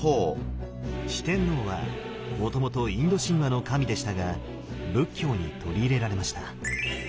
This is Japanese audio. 四天王はもともとインド神話の神でしたが仏教に取り入れられました。